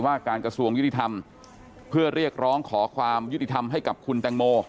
ว่าการกระทรวงยุติธรรมเพื่อเรียกร้องขอความยุติธรรมให้กับคุณแตงโม